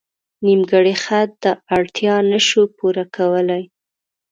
نیمګړی خط دا اړتیا نه شو پوره کولی.